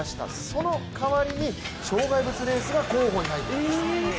その代わりに障害物レースが候補に入ったんです。